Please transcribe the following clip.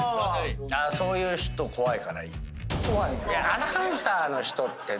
そういう人怖いからいい。